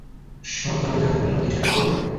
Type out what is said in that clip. সকালে জানতে পারলে কিছু একটা করতাম।